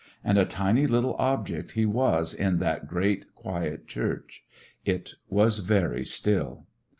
And a tiny little ob ject he was in that great, quiet church. It was very still.